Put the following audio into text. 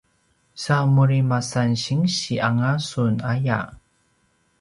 sa muri masan sinsi anga sun aya